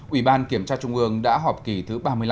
ủy ban kiểm tra trung ương đã họp kỳ thứ ba mươi năm